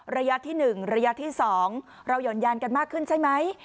ระยะที่๑ระยะที่๒เราหย่อนยานกันมากขึ้นใช่ไหม